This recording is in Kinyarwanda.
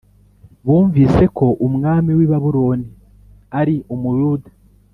bumvise ko umwami w i Babuloni aari umuyuda